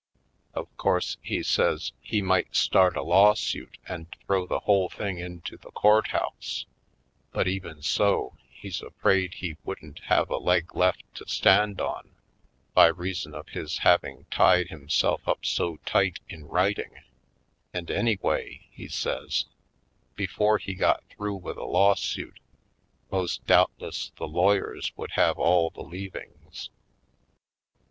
Of course, he says, he might start a lawsuit and throw the whole thing into the courthouse, but, even so, he's afraid he wouldn't have a leg left to stand on by reason of his having tied him self up so tight in writing; and anyway, he says, before he got through with a lawsuit Oiled Skids 183 most doubtless the lawyers would have all the leavings.